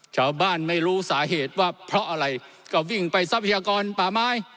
ชาวบ้านไม่รู้สาเหตุว่าเพราะอะไรก็วิ่งไปทรัพยากรป่าไม้